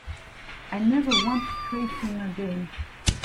I never want to face him again.